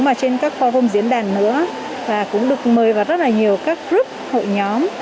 mà trên các forum diễn đàn nữa và cũng được mời vào rất là nhiều các group hội nhóm